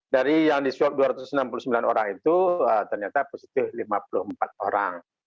dari yang disuap dua ratus enam puluh sembilan orang itu ternyata positif lima puluh empat orang